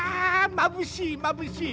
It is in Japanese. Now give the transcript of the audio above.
まぶしいまぶしい！